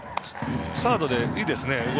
サードでいいですね。